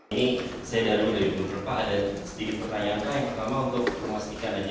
ini saya dari bukit bukit pak ada sedikit pertanyaan saya